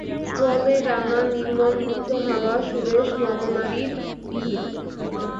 জলের রানা, নির্মল মুক্ত হাওয়া, সুরেশ নবনারীর ভিড়।